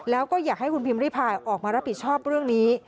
แล้วก็อยากให้คุณพิมพ์ริพายออกมารับผิดชอบเรื่องนี้